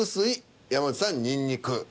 山内さん「ニンニク」。